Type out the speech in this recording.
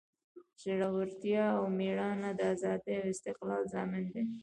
زړورتیا او میړانه د ازادۍ او استقلال ضامن دی.